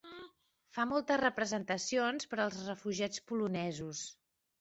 Fa moltes representacions per als refugiats polonesos.